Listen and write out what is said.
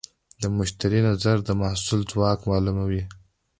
د مشتری نظر د محصول ځواک معلوموي.